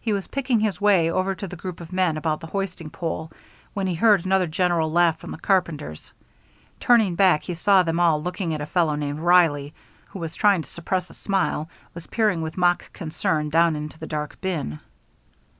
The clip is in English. He was picking his way over to the group of men about the hoisting pole, when he heard another general laugh from the carpenters. Turning back he saw them all looking at a fellow named Reilly, who, trying to suppress a smile, was peering with mock concern down into the dark bin.